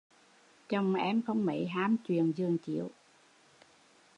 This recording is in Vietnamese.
Chồng em không mấy ham chuyện giường chiếu